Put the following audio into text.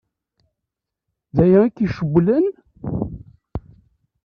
D aya i k-icewwlen?